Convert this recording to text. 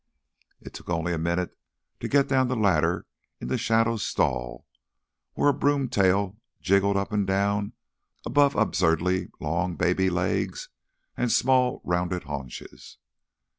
It took only a minute to get down the ladder into Shadow's stall where a broom tail jiggled up and down above absurdly long baby legs and small rounded haunches.